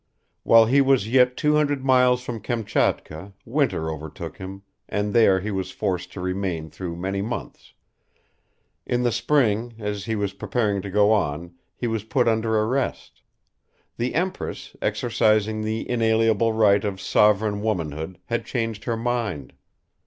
While he was yet two hundred miles from Kamchatka, winter overtook him, and there he was forced to remain through many months. In the spring, as he was preparing to go on, he was put under arrest. The Empress, exercising the inalienable right of sovereign womanhood, had changed her mind.